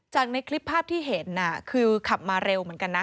ในคลิปภาพที่เห็นคือขับมาเร็วเหมือนกันนะ